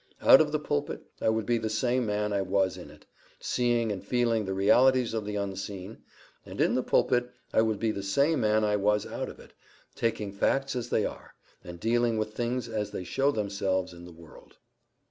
Out of the pulpit I would be the same man I was in it—seeing and feeling the realities of the unseen; and in the pulpit I would be the same man I was out of it—taking facts as they are, and dealing with things as they show themselves in the world.